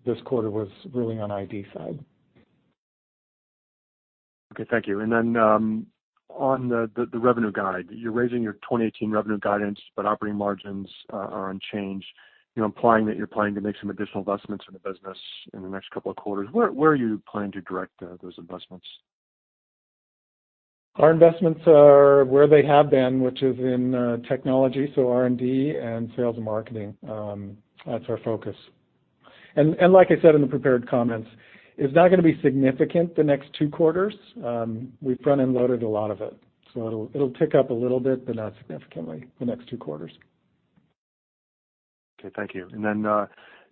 this quarter was really on ID side. Okay, thank you. On the revenue guide. You're raising your 2018 revenue guidance, but operating margins are unchanged, implying that you're planning to make some additional investments in the business in the next two quarters. Where are you planning to direct those investments? Our investments are where they have been, which is in technology, so R&D and sales and marketing. That's our focus. Like I said in the prepared comments, it's not going to be significant the next two quarters. We've front-end loaded a lot of it. It'll tick up a little bit, but not significantly the next two quarters. Okay, thank you.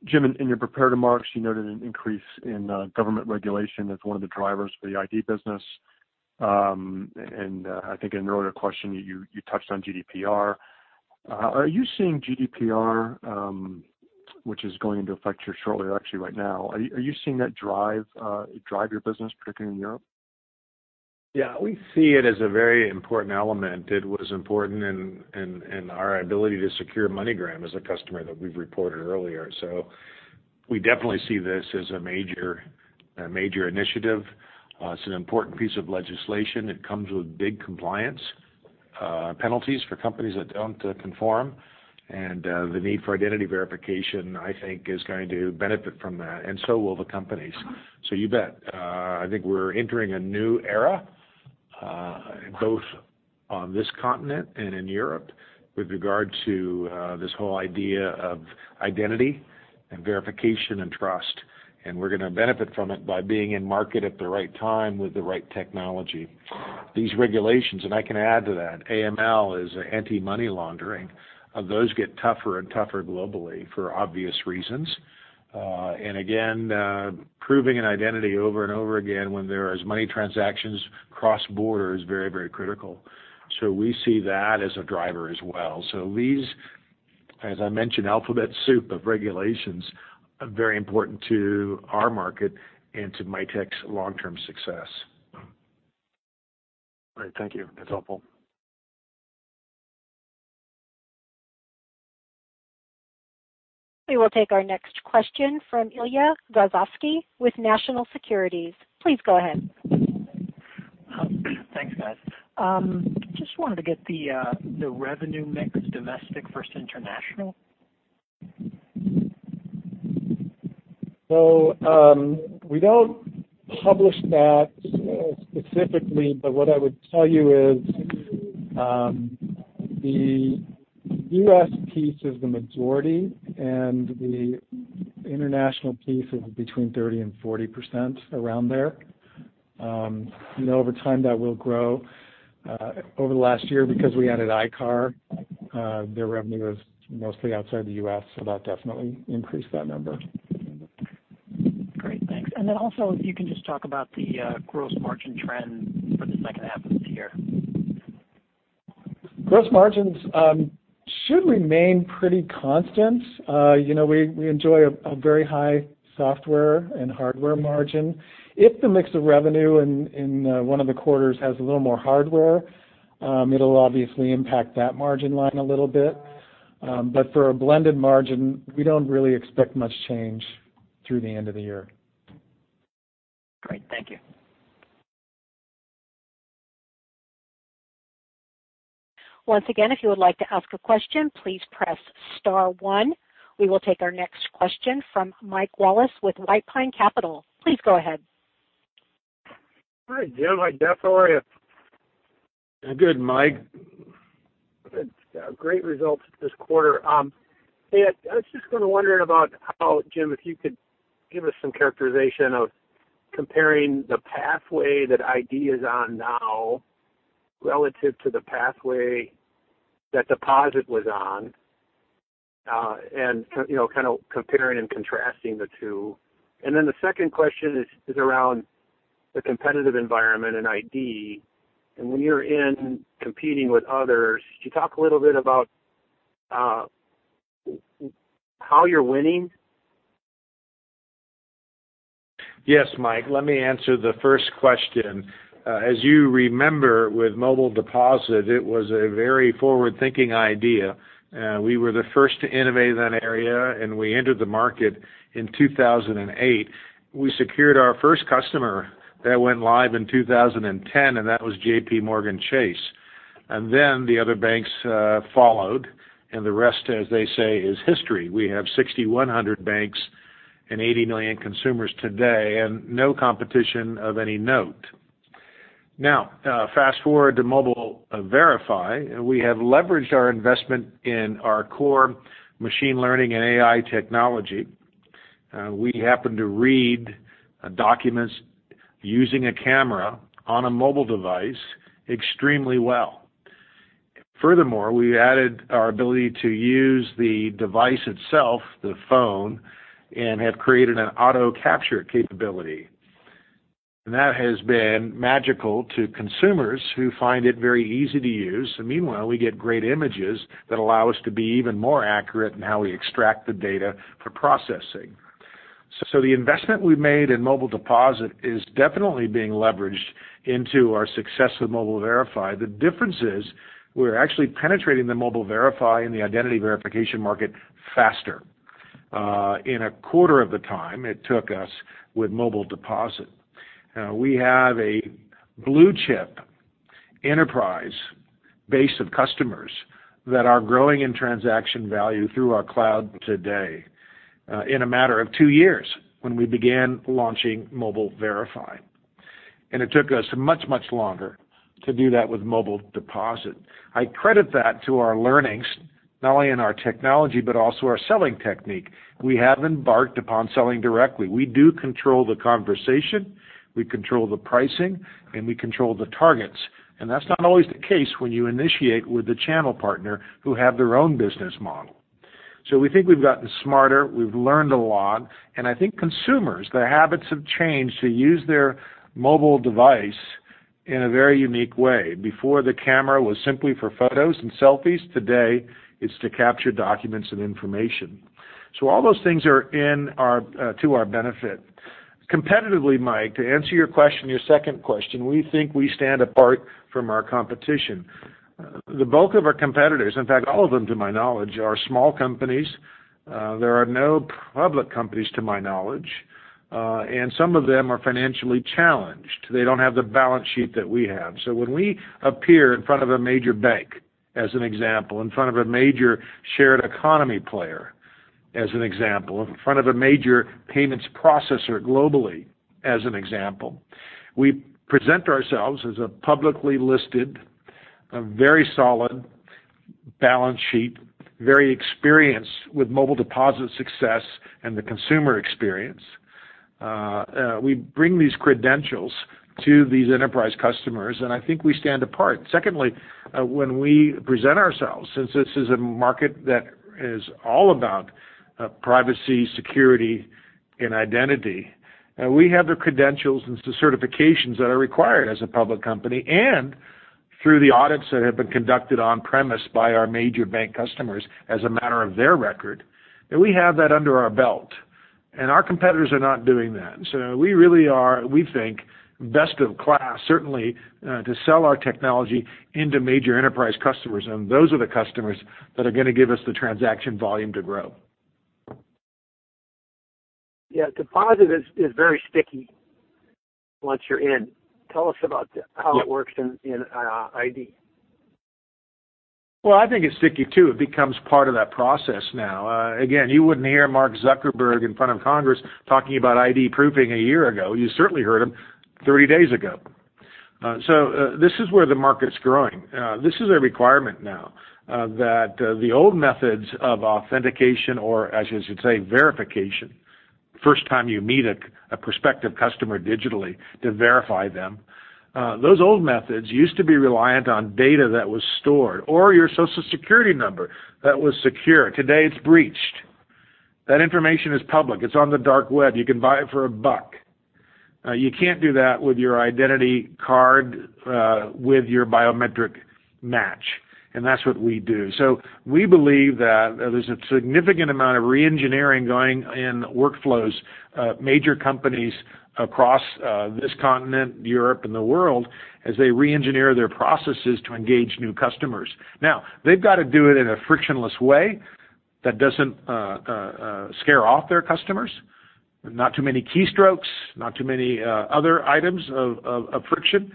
Jim, in your prepared remarks, you noted an increase in government regulation as one of the drivers for the ID business. I think in an earlier question, you touched on GDPR. Are you seeing GDPR which is going into effect here shortly, or actually right now, are you seeing that drive your business, particularly in Europe? Yeah, we see it as a very important element. It was important in our ability to secure MoneyGram as a customer that we've reported earlier. We definitely see this as a major initiative. It's an important piece of legislation. It comes with big compliance penalties for companies that don't conform, and the need for identity verification, I think, is going to benefit from that, and so will the companies. You bet. I think we're entering a new era both on this continent and in Europe with regard to this whole idea of identity and verification and trust. We're going to benefit from it by being in market at the right time with the right technology. These regulations, and I can add to that, AML is an anti-money laundering. Those get tougher and tougher globally for obvious reasons. Again proving an identity over and over again when there is money transactions cross-border is very critical. We see that as a driver as well. These, as I mentioned, alphabet soup of regulations are very important to our market and to Mitek's long-term success. All right, thank you. That's helpful. We will take our next question from Ilya Grozovsky with National Securities. Please go ahead. Thanks, guys. Just wanted to get the revenue mix domestic versus international. We don't publish that specifically, but what I would tell you is the U.S. piece is the majority and the international piece is between 30%-40%, around there. Over time, that will grow. Over the last year because we added ICAR, their revenue is mostly outside the U.S., so that definitely increased that number. Great, thanks. Also if you can just talk about the gross margin trend for the second half of this year. Gross margins should remain pretty constant. We enjoy a very high software and hardware margin. If the mix of revenue in one of the quarters has a little more hardware it'll obviously impact that margin line a little bit. For a blended margin, we don't really expect much change through the end of the year. Great. Thank you. Once again, if you would like to ask a question, please press star one. We will take our next question from Mike Wallace with White Pine Capital. Please go ahead. Hi, Jim. Mike Wallace. How are you? Good, Mike. Good. Great results this quarter. Hey, I was just going to wonder about how, Jim, if you could give us some characterization of comparing the pathway that ID is on now relative to the pathway that deposit was on and kind of comparing and contrasting the two. Then the second question is around the competitive environment in ID. When you're in competing with others, could you talk a little bit about how you're winning? Yes, Mike, let me answer the first question. As you remember, with Mobile Deposit, it was a very forward-thinking idea. We were the first to innovate that area. We entered the market in 2008. We secured our first customer that went live in 2010, that was JPMorgan Chase. The other banks followed, and the rest, as they say, is history. We have 6,100 banks and 80 million consumers today and no competition of any note. Fast-forward to Mobile Verify. We have leveraged our investment in our core machine learning and AI technology. We happen to read documents using a camera on a mobile device extremely well. Furthermore, we added our ability to use the device itself, the phone, and have created an auto capture capability. That has been magical to consumers who find it very easy to use. Meanwhile, we get great images that allow us to be even more accurate in how we extract the data for processing. The investment we've made in Mobile Deposit is definitely being leveraged into our success with Mobile Verify. The difference is we're actually penetrating the Mobile Verify and the identity verification market faster in a quarter of the time it took us with Mobile Deposit. We have a blue-chip enterprise base of customers that are growing in transaction value through our cloud today in a matter of two years when we began launching Mobile Verify. It took us much longer to do that with Mobile Deposit. I credit that to our learnings not only in our technology but also our selling technique. We have embarked upon selling directly. We do control the conversation, we control the pricing, and we control the targets. That's not always the case when you initiate with the channel partner who have their own business model. We think we've gotten smarter, we've learned a lot, and I think consumers, their habits have changed to use their mobile device in a very unique way. Before, the camera was simply for photos and selfies. Today, it's to capture documents and information. All those things are to our benefit. Competitively, Mike, to answer your second question, we think we stand apart from our competition. The bulk of our competitors, in fact, all of them, to my knowledge, are small companies. There are no public companies, to my knowledge, and some of them are financially challenged. They don't have the balance sheet that we have. When we appear in front of a major bank, as an example, in front of a major shared economy player, as an example, in front of a major payments processor globally, as an example, we present ourselves as a publicly listed, a very solid balance sheet, very experienced with Mobile Deposit success and the consumer experience. We bring these credentials to these enterprise customers, and I think we stand apart. Secondly, when we present ourselves, since this is a market that is all about privacy, security, and identity, we have the credentials and the certifications that are required as a public company and through the audits that have been conducted on premise by our major bank customers as a matter of their record, and we have that under our belt, and our competitors are not doing that. We really are, we think, best in class, certainly, to sell our technology into major enterprise customers, and those are the customers that are going to give us the transaction volume to grow. Yeah. Deposit is very sticky once you're in. Tell us about how it works in ID. Well, I think it's sticky, too. It becomes part of that process now. Again, you wouldn't hear Mark Zuckerberg in front of Congress talking about ID proofing a year ago. You certainly heard him 30 days ago. This is where the market's growing. This is a requirement now that the old methods of authentication, or as you should say, verification, first time you meet a prospective customer digitally to verify them, those old methods used to be reliant on data that was stored or your Social Security number that was secure. Today, it's breached. That information is public. It's on the dark web. You can buy it for $1. You can't do that with your identity card with your biometric match, and that's what we do. We believe that there's a significant amount of re-engineering going in workflows, major companies across this continent, Europe, and the world, as they re-engineer their processes to engage new customers. Now, they've got to do it in a frictionless way that doesn't scare off their customers. Not too many keystrokes, not too many other items of friction.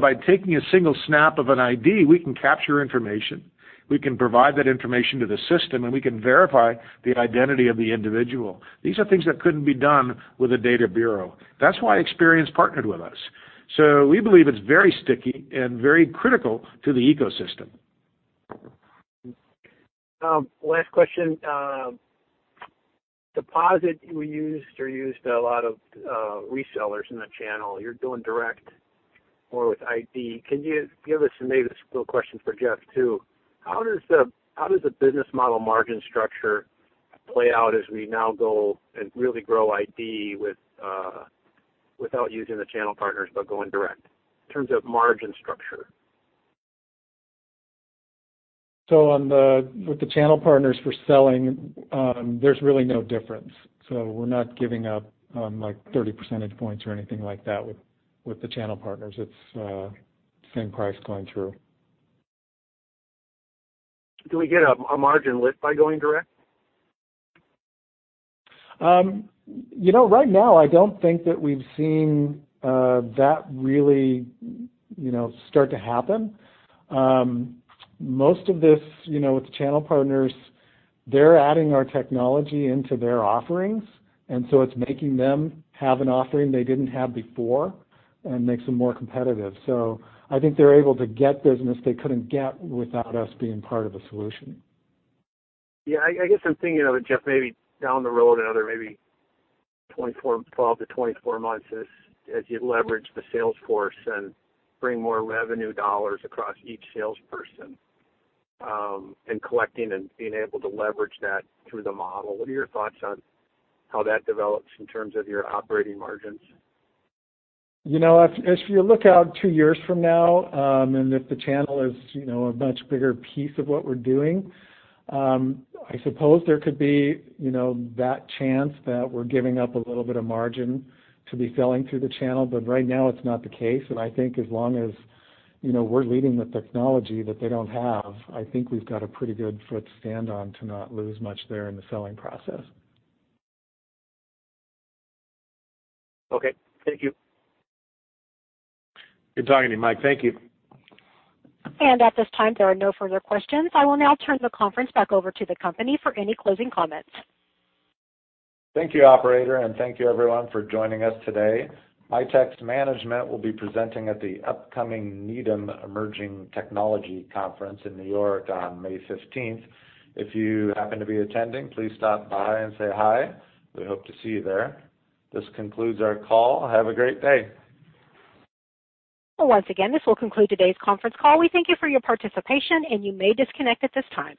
By taking a single snap of an ID, we can capture information, we can provide that information to the system, and we can verify the identity of the individual. These are things that couldn't be done with a data bureau. That's why Experian partnered with us. We believe it's very sticky and very critical to the ecosystem. Last question. Deposit, you used a lot of resellers in the channel. You're going direct more with ID. Can you give us, and maybe this is a little question for Jeff, too, how does the business model margin structure play out as we now go and really grow ID without using the channel partners but going direct in terms of margin structure? With the channel partners for selling, there's really no difference. We're not giving up like 30 percentage points or anything like that with the channel partners. It's same price going through. Do we get a margin lift by going direct? Right now, I don't think that we've seen that really start to happen. Most of this with the channel partners, they're adding our technology into their offerings, it's making them have an offering they didn't have before and makes them more competitive. I think they're able to get business they couldn't get without us being part of a solution. Yeah. I guess I'm thinking of it, Jeff, maybe down the road, another maybe 12-24 months as you leverage the sales force and bring more revenue dollars across each salesperson and collecting and being able to leverage that through the model. What are your thoughts on how that develops in terms of your operating margins? If you look out two years from now, and if the channel is a much bigger piece of what we're doing, I suppose there could be that chance that we're giving up a little bit of margin to be selling through the channel. Right now, it's not the case. I think as long as we're leading with technology that they don't have, I think we've got a pretty good foot to stand on to not lose much there in the selling process. Okay. Thank you. Good talking to you, Mike. Thank you. At this time, there are no further questions. I will now turn the conference back over to the company for any closing comments. Thank you, operator, and thank you, everyone, for joining us today. Mitek's management will be presenting at the upcoming Needham Emerging Technology Conference in New York on May 15th. If you happen to be attending, please stop by and say hi. We hope to see you there. This concludes our call. Have a great day. Once again, this will conclude today's conference call. We thank you for your participation, and you may disconnect at this time.